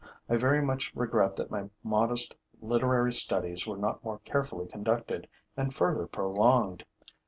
I very much regret that my modest literary studies were not more carefully conducted and further prolonged.